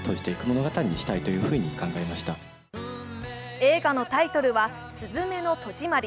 映画のタイトルは「すずめの戸締り」。